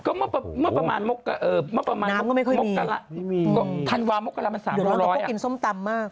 ก็เมื่อประมาณมกกะละมกกะละไม่มีอยู่ร้อนแต่พวกกินส้มตำมาก